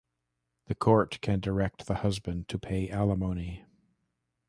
The Court can direct the husband to pay alimony.